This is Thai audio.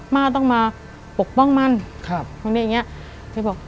ม่าต้องมาปกป้องมันตรงนี้อย่างเงี้ย